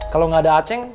kalau nggak ada acing